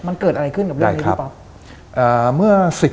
มันเกิดอะไรขึ้นกับเรื่องนี้พี่ป๊อป